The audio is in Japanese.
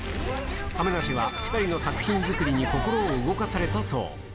亀梨は２人の作品作りに心を動かされたそう。